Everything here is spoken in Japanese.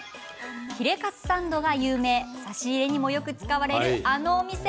ヒレカツサンドが有名差し入れによく使われるあのお店。